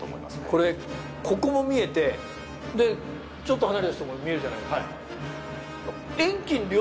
これここも見えてちょっと離れた人も見えるじゃないですか。